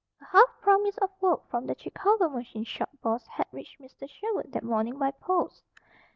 A half promise of work from the Chicago machine shop boss had reached Mr. Sherwood that morning by post.